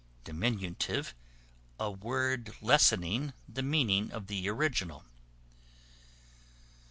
Diminutive, a word lessening the meaning of the original.